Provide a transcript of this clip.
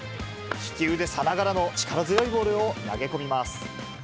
利き腕さながらの力強いボールを投げ込みます。